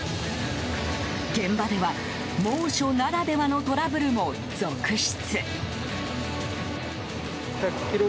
現場では猛暑ならではのトラブルも続出。